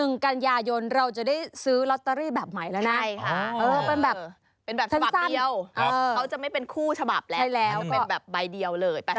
งวดหน้าเนี่ย